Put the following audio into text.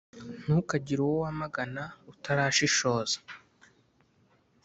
Ntukagire uwo wamagana utarashishoza,